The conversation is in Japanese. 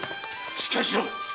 しっかりしろ！